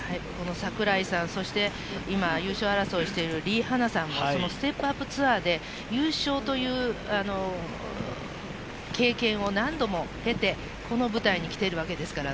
櫻井さん、そして優勝争いをしているリ・ハナさん、ステップアップツアーで優勝という経験を何度も経て、この舞台に来ているわけですから